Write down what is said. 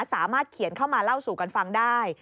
สามารถเขียนเข้ามาเล่าสู่กันฟังได้